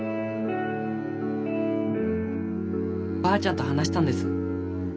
ばあちゃんと話したんです。